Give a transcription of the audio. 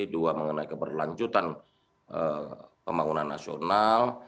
dua mengenai keberlanjutan pembangunan nasional